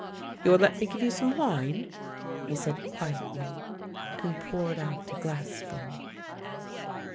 " You will let me give you some wine? " he said quietly and poured out a glassful.